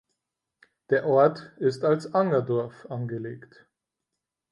Der Ort ist als Angerdorf angelegt.